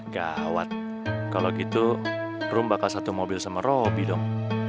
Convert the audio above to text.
gawat kalau gitu room bakal satu mobil sama roby dong